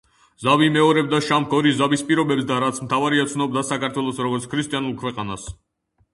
ზავი იმეორებდა შამქორის ზავის პირობებს და, რაც მთავარია, ცნობდა საქართველოს, როგორც ქრისტიანულ ქვეყანას.